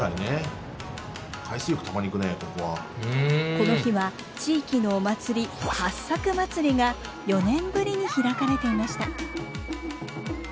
この日は地域のお祭り八朔祭が４年ぶりに開かれていました。